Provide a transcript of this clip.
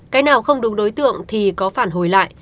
cái nào không đúng đối tượng thì có phản hồi lại